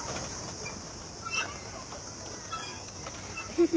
フフ。